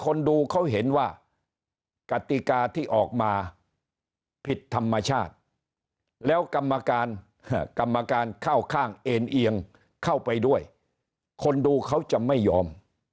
คนดูเขาเห็นว่ากติกาที่ออกมาผิดธรรมชาติแล้วกรรมการกรรมการเข้าข้างเอ็นเอียงเข้าไปด้วยคนดูเขาจะไม่ยอม